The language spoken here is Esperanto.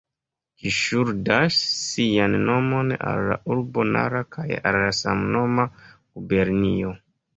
Ĝi ŝuldas sian nomon al la urbo Nara kaj al la samnoma gubernio.